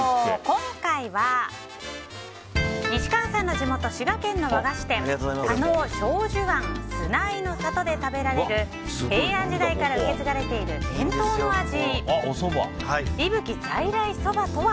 今回は西川さんの地元滋賀県の和菓子店叶匠壽庵寿長生の郷で食べられる平安時代から受け継がれている伝統の味。